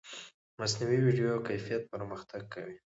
مصنوعي ویډیو کیفیت پرمختګ کوي.